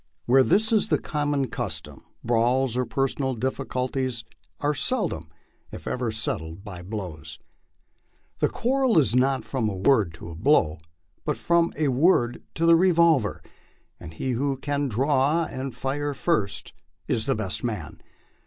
Where this is the common custom, brawls or personal difficulties are seldom if ever settled by blows. The quarrel is not from a word to a blow, but from a word to the revolver, and he who can draw and fire first is the best man.